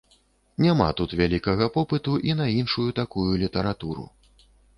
Няма тут вялікага попыту і на іншую такую літаратуру.